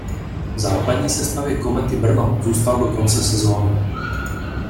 V základní sestavě Komety Brno zůstal do konce sezony.